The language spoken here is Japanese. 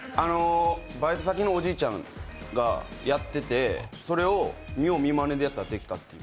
バイト先のおじいちゃんがやっててそれを見よう見まねでやったらできたっていう。